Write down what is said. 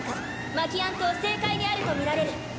マキアン島西海にあるとみられる。